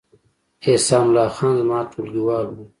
احسان الله خان زما ټولګیوال و